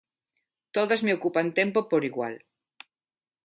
Todas me ocupan tempo por igual.